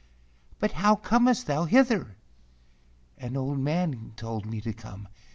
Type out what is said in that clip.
"But how earnest thou hither?" "An old man told me to come.